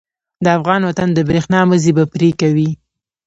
د افغان وطن د برېښنا مزی به پرې کوي.